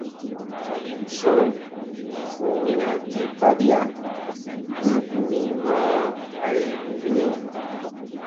Sunu fuumina ki vaɗiya mɓulgumi maa ay hu ew.